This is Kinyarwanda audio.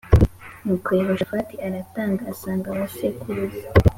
Nuko Yehoshafati aratanga asanga ba sekuruza